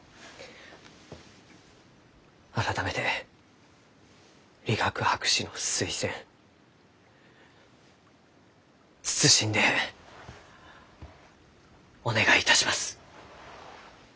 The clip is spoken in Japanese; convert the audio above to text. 改めて理学博士の推薦謹んでお願いいたします。